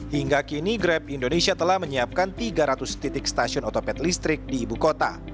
hingga kini grab indonesia telah menyiapkan tiga ratus titik stasiun otopet listrik di ibu kota